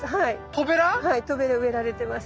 トベラ植えられてます。